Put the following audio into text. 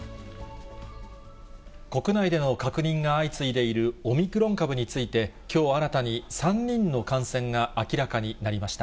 国内での確認が相次いでいるオミクロン株について、きょう新たに３人の感染が明らかになりました。